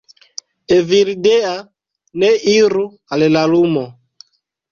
Evildea, ne iru al la lumo!